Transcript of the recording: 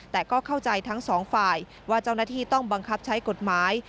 แต่ก็เข้าใจทั้งสองฝ่ายว่าเจ้าหน้าที่ต้องบังคับใช้กฎหมาย